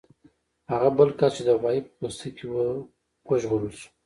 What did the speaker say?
هغه بل کس چې د غوايي په پوستکي کې و وژغورل شو.